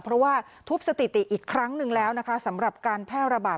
เพราะว่าทุบสถิติอีกครั้งหนึ่งแล้วนะคะสำหรับการแพร่ระบาด